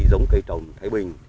giống cây trồng thái bình